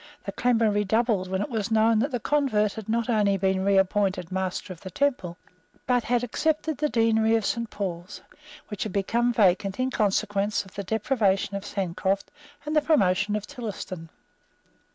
The clamour redoubled when it was known that the convert had not only been reappointed Master of the Temple, but had accepted the Deanery of Saint Paul's, which had become vacant in consequence of the deprivation of Sancroft and the promotion of Tillotson.